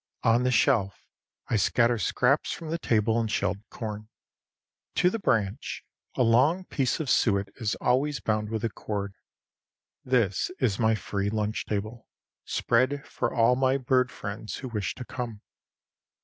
On the shelf I scatter scraps from the table and shelled corn. To the branch, a long piece of suet is always bound with a cord. This is my free lunch table, spread for all my bird friends who wish to come.